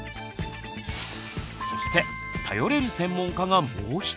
そして頼れる専門家がもう一人！